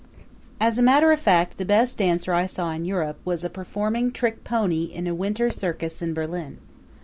As a matter of fact the best dancer I saw in Europe was a performing trick pony in a winter circus in Berlin.